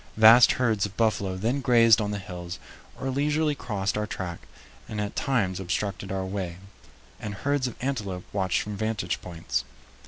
Vast herds of buffalo then grazed on the hills or leisurely crossed our track and at times obstructed our way, and herds of antelope watched from vantage points.